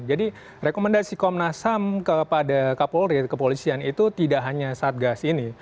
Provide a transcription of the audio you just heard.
jadi rekomendasi komnasam kepada kapolri kepolisian itu tidak hanya satgas ini